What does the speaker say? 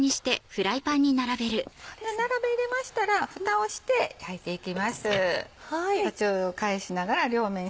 並べ入れましたらふたをして焼いていきます。